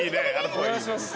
お願いします